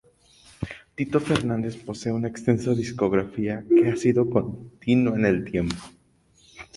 Tito Fernández posee una extensa discografía, que ha sido continua en el tiempo.